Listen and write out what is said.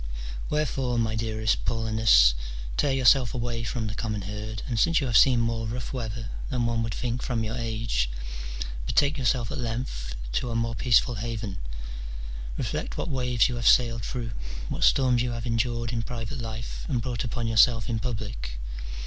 Whefore, my dearest Paulinus, tear yourself away from the common herd, and since you have seen more rough weather than one would think from your age, betake yourself at length to a more peaceful haven : reflect what waves you have sailed through, what storms you have endured in private life, and brought upon yourself in public.